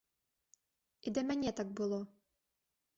І да мяне так было.